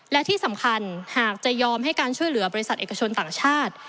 และที่สำคัญหากจะยอมให้การช่วยเหลือบริษัทเอกชนต่างชาติ